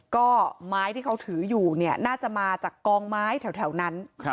ก็ไม้ที่เขาถืออยู่เนี่ยน่าจะมาจากกองไม้แถวนั้น